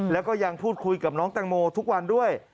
แล้วก็ยังพูดคุยกับน้องแตงโมทุกวันด้วย